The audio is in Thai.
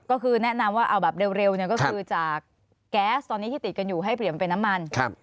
ก็คือแนะนำว่าเอาแบบเร็วเนี่ยก็คือจากแก๊สตอนนี้ที่ติดกันอยู่ให้เปลี่ยนเป็นน้ำมัน